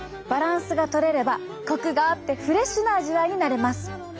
バランスがとれればコクがあってフレッシュな味わいになれます。